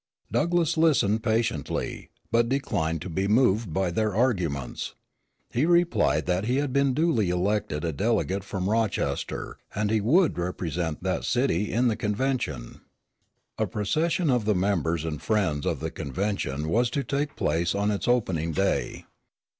Douglass listened patiently, but declined to be moved by their arguments. He replied that he had been duly elected a delegate from Rochester, and he would represent that city in the convention. A procession of the members and friends of the convention was to take place on its opening day.